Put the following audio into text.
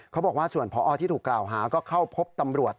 เขาบอกว่าส่วนพอที่ถูกกล่าวหาก็เข้าพบตำรวจ